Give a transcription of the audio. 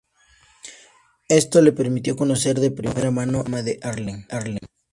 Esto le permitió conocer de primera mano el Programa de Erlangen.